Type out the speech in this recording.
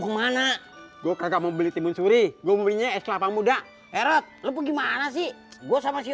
kemana gua kagak mau beli timun suri gua punya es kelapa muda erot lu gimana sih gua sama si